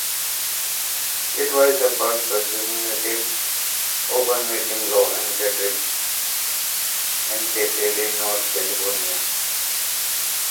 It was the first substantive Open Meetings law enacted in North Carolina.